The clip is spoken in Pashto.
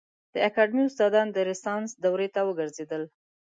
د اکاډمي استادان د رنسانس دورې ته وګرځېدل.